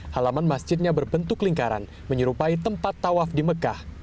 halaman masjidnya berbentuk lingkaran menyerupai tempat tawaf di mekah